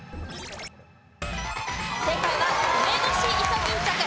正解はウメボシイソギンチャク。